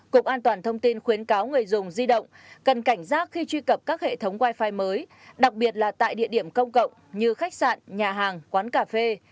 cục an toàn thông tin khuyến cáo người dùng di động cần cảnh giác khi truy cập các hệ thống wi fi mới đặc biệt là tại địa điểm công cộng như khách sạn nhà hàng quán cà phê